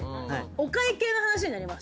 お会計の話になります。